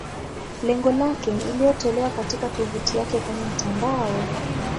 Lengo lake ni iliyotolewa katika tovuti yake kwenye mtandao.